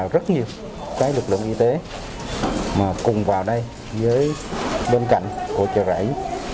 rất nhiều cái lực lượng y tế mà cùng vào đây với bên cạnh của chợ rẫy